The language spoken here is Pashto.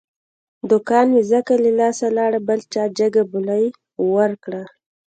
دوکان مې ځکه له لاسه لاړ، بل چا جگه بولۍ ور کړه.